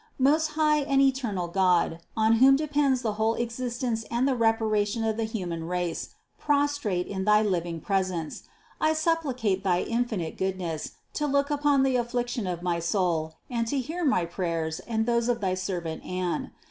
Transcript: "Most high and eternal God, on whom depends the whole existence and the reparation of the human race, prostrate in thy living presence, I supplicate thy infinite goodness to look upon the affliction of my soul and to hear my prayers and those of thy servant Anne.